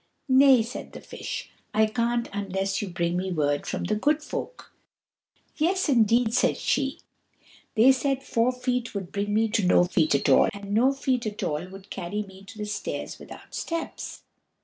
"Nay," said the Fish, "I can't unless you bring me word from the Good Folk." "Yes, indeed," said she. "They said Four Feet would bring me to No Feet at all, and No Feet at all would carry me to the stairs without steps."